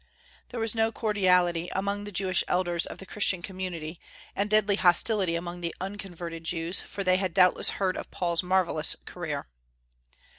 There was no cordiality among the Jewish elders of the Christian community, and deadly hostility among the unconverted Jews, for they had doubtless heard of Paul's marvellous career.